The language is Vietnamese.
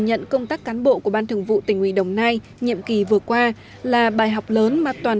nhận công tác cán bộ của ban thường vụ tỉnh ủy đồng nai nhiệm kỳ vừa qua là bài học lớn mà toàn